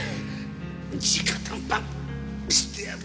直談判してやる。